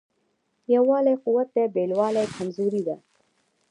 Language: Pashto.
یووالی قوت دی بېلوالی کمزوري ده.